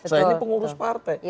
saya ini pengurus partai